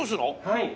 はい。